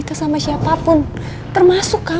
dia masih biasa